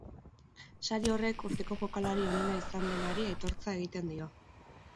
Sari horrek urteko jokalari onena izan denari aitortza egiten dio.